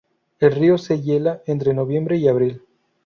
El río se hiela entre noviembre y abril.